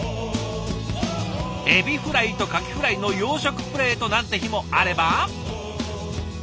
エビフライとカキフライの洋食プレートなんて日もあれば。